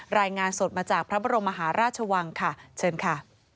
รายงานสดมาจากพระบรมมหาราชวังค่ะเชิญค่ะ